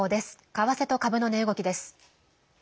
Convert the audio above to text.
為替と株の値動きです。